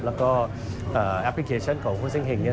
แล้วก็แอปพลิเคชันของคุณซิ่งเห็งเนี่ย